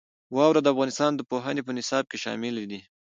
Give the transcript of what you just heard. واوره د افغانستان د پوهنې په نصاب کې شامل دي.